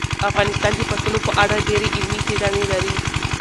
افغانستان د پسونو په اړه ډېرې علمي څېړنې لري.